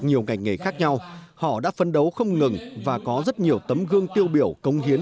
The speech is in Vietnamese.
nhiều ngành nghề khác nhau họ đã phấn đấu không ngừng và có rất nhiều tấm gương tiêu biểu công hiến